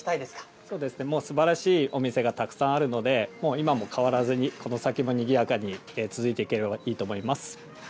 そうですね、すばらしいお店がたくさんあるので、もう今も変わらずに、この先もにぎやかに続いていければいいと思います。